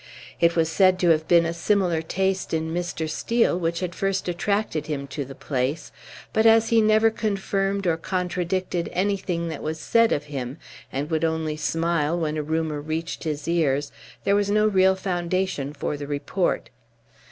It was said to have been a similar taste in Mr. Steel which had first attracted him to the place; but as he never confirmed or contradicted anything that was said of him, and would only smile when a rumor reached his ears, there was no real foundation for the report.